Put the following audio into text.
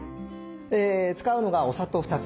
使うのがお砂糖２つ。